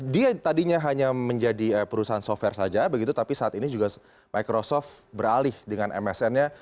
dia tadinya hanya menjadi perusahaan software saja begitu tapi saat ini juga microsoft beralih dengan msn nya